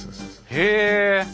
へえ。